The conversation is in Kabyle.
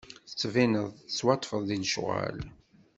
Tettbineḍ-d tettwaṭṭfeḍ di lecɣal.